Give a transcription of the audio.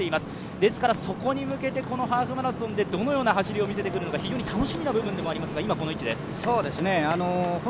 ですからそこに向けてこのハーフマラソンでどのような走りを見せてくるのか非常に楽しみな部分でもありますが、今この位置です。